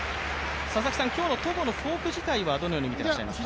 今日の戸郷のフォーク自体は、どのように見ていらっしゃいますか？